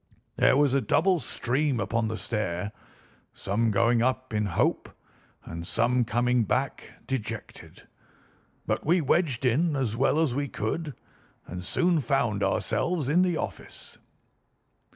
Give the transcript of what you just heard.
There was a double stream upon the stair, some going up in hope, and some coming back dejected; but we wedged in as well as we could and soon found ourselves in the office."